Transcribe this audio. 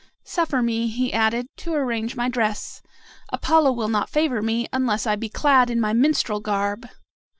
"Suffer me," he added, "to arrange my dress. Apollo will not favor me unless I be clad in my minstrel garb."